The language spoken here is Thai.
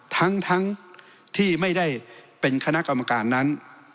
ทั้งที่ไม่ได้เป็นคณะกรรมการนั้น